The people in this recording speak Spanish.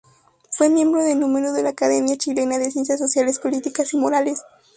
Fue miembro de número de la Academia Chilena de Ciencias Sociales, Políticas y Morales.